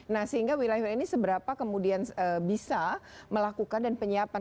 nah sehingga wilayah wilayah ini seberapa kemudian bisa melakukan dan penyiapan